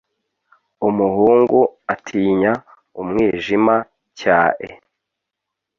Umuhungu atinya umwijima cyae.